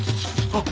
あっ！